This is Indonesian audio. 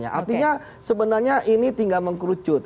artinya sebenarnya ini tinggal mengkerucut